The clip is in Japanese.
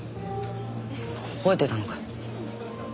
覚えてたのか。